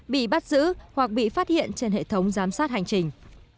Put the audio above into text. bị bắt giữ hoặc bị phát hiện trên hệ thống giám sát hành trình